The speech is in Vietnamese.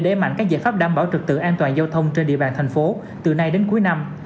để đẩy mạnh các giải pháp đảm bảo trực tượng an toàn giao thông trên địa bàn tp hcm từ nay đến cuối năm